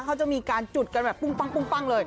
เขาจะมีการจุดกันแบบปุ้งปั้งเลย